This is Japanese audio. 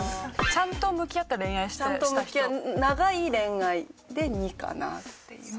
ちゃんと向き合った長い恋愛で２かなっていう。